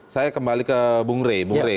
saya kembali ke bung rey